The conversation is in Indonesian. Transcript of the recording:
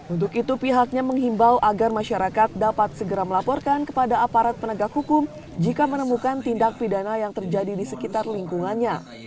untuk itu pihaknya menghimbau agar masyarakat dapat segera melaporkan kepada aparat penegak hukum jika menemukan tindak pidana yang terjadi di sekitar lingkungannya